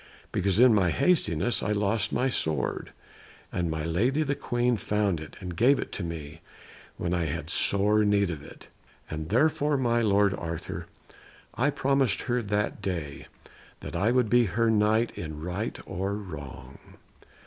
Because in my hastiness I lost my sword, and my lady the Queen found it and gave it to me when I had sore need of it. And therefore, my lord Arthur, I promised her that day that I would be her Knight in right or in wrong."